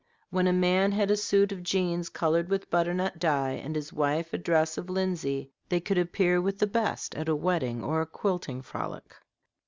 When a man had a suit of jeans colored with butternut dye, and his wife a dress of linsey, they could appear with the best at a wedding or a quilting frolic.